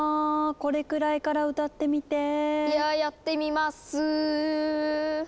「これくらいから歌ってみて」「ややってみます」